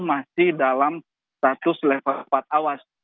masih dalam status level empat awas